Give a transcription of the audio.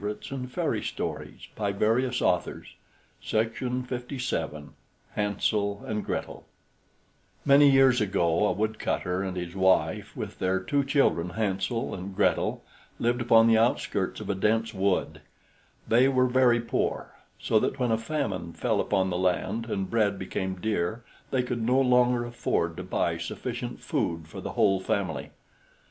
AMEN. SABINE BARING GOULD CHILDREN'S FAVORITE STORIES HANSEL AND GRETEL Many years ago, a woodcutter and his wife, with their two children, Hansel and Gretel, lived upon the outskirts of a dense wood. They were very poor, so that when a famine fell upon the land, and bread became dear, they could no longer afford to buy sufficient food for the whole family.